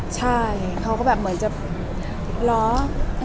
ใช่ตอนนั้นเหมือนร้อง